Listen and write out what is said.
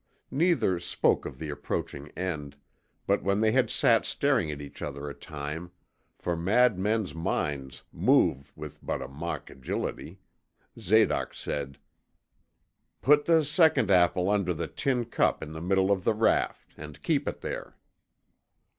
Neither spoke of the approaching end, but when they had sat staring at each other a time, for mad men's minds move with but a mock agility, Zadoc said, 'Put the second apple under the tin cup in the middle of the raft, and keep it there.'